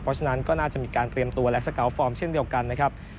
เพราะฉะนั้นก็น่าจะมีการเตรียมตัวและสกาวฟอร์มเช่นเดียวกันนะครับ